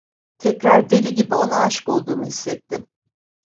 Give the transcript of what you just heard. Tekrar deli gibi ona aşık olduğumu hissettim.